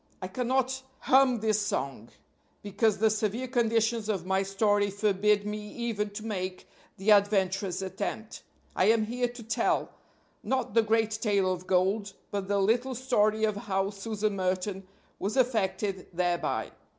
I cannot hum this song, because the severe conditions of my story forbid me even to make the adventurous attempt. I am here to tell, not the great tale of gold, but the little story of how Susan Merton was affected thereby.